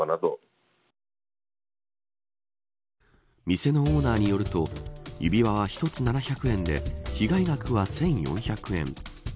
店のオーナーによると指輪は１つ、７００円で被害額は１４００円。